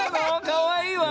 かわいいわ。